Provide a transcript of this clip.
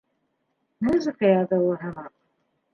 Музыка яҙыуы һымаҡ.